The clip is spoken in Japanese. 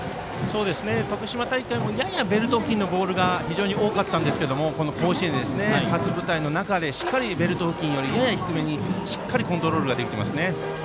徳島大会もややベルト付近のボールが非常に多かったんですがこの甲子園で初舞台の中、しっかりベルト付近よりやや低めにしっかりコントロールができていますね。